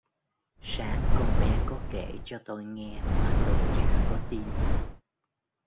sáng con bé có kể cho tôi nghe mà tôi chả có tin